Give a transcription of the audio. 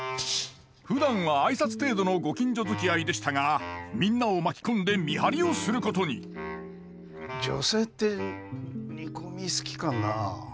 ふだんは挨拶程度のご近所づきあいでしたがみんなを巻き込んで見張りをすることに女性って煮込み好きかなあ。